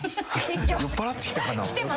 酔っぱらってきたかな。